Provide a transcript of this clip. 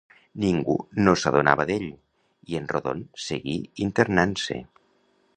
Ningú no s'adonava d'ell, i en Rodon seguí internant-se.